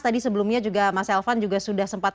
tadi sebelumnya juga mas elvan juga sudah sempat